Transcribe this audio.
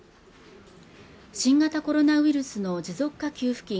新型コロナウイルスの持続化給付金